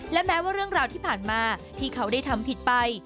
และแม้ว่าเรื่องราวที่ผ่านมาที่เขาได้ทำผิดไป